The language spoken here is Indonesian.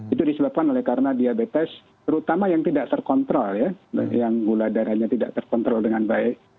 itu disebabkan oleh karena diabetes terutama yang tidak terkontrol ya yang gula darahnya tidak terkontrol dengan baik